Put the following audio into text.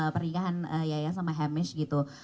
pernikahan yayasan sama hamish gitu